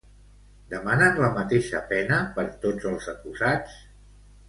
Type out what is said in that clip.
Demanen la mateixa pena per tots els acusats?